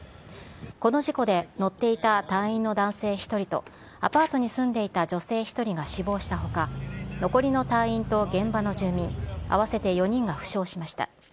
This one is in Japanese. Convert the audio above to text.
この事故で乗っていた隊員の男性１人と、アパートに住んでいた女性１人が死亡したほか、残りの隊員と現場の住民、合わせて４人が負傷しました。